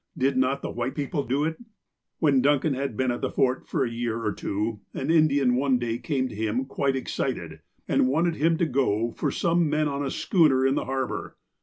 Did not the white people do it ? When Mr. Duncan had been at the Fort for a year or two, an Indian one day came to him quite excited, and wanted him to go for some men on a schooner in the har bour.